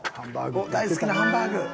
大好きなハンバーグ。